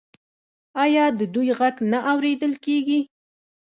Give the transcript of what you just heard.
آیا د دوی غږ نه اوریدل کیږي؟